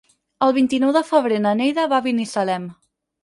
El vint-i-nou de febrer na Neida va a Binissalem.